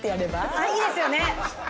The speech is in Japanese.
あっいいですよね